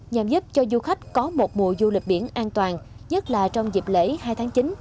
nhằm giúp cho du khách có một mùa du lịch biển an toàn nhất là trong dịp lễ hai tháng chín